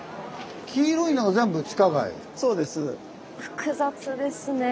複雑ですねえ。